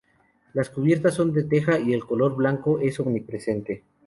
La cubiertas son de teja y el color blanco es omnipresente.